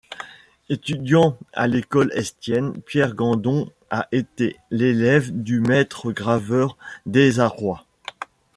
Étudiant à l'École Estienne, Pierre Gandon a été l'élève du maître graveur Dézarrois.